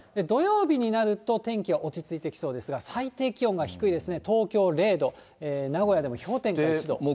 土曜日になると、天気は落ち着いてきそうですが、最低気温が低いですね、東京０度、名古屋でも氷点下１度。